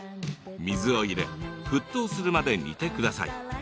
水を入れ沸騰するまで煮てください。